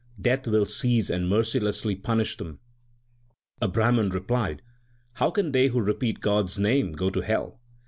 Death will seize and mercilessly punish them/ A Brahman replied, How can they who repeat God s name go to hell